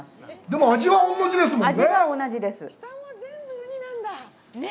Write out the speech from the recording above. でも、味は同じですよね。